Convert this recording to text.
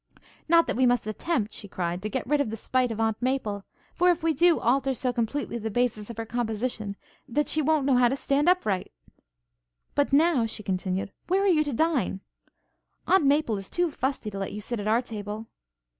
'Not that we must attempt,' she cried, 'to get rid of the spite of Aunt Maple, for if we do, alter so completely the basis of her composition, that she won't know how to stand upright.' 'But now,' she continued, 'where are you to dine? Aunt Maple is too fusty to let you sit at our table.'